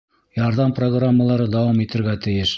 Ярҙам программалары дауам итергә тейеш